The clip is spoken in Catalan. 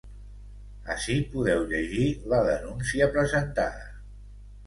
Ací podeu llegir la denúncia presentada.